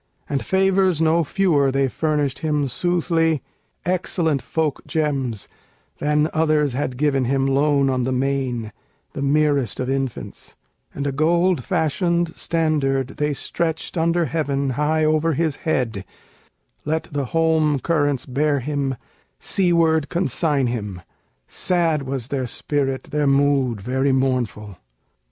And favors no fewer they furnished him soothly, Excellent folk gems, than others had given him Lone on the main, the merest of infants: And a gold fashioned standard they stretched under heaven High o'er his head, let the holm currents bear him, Seaward consigned him: sad was their spirit, Their mood very mournful.